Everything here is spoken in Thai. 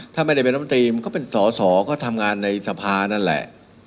ถ้าไม่ได้เป็นรัฐมนตรีมันก็เป็นสอสอก็ทำงานในสภานั่นแหละ